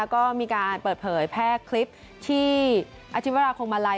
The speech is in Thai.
ก็มีการเปิดเผยแพร่คลิปที่อธิวราคงมาลัย